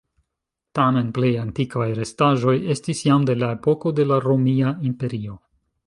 Tamen plej antikvaj restaĵoj estis jam de la epoko de la Romia Imperio.